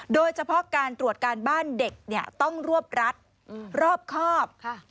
โดยเฉพาะการตรวจการบ้านเด็กต้องรวบรัดรอบครอบ